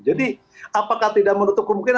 jadi apakah tidak menutup kemungkinan